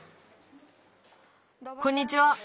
こんにちは。